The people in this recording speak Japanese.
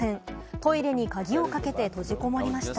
トイレに鍵をかけて閉じこもりました。